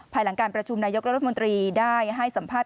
ภายหลังการประชุมนายกรัฐมนตรีได้ให้สัมภาษณ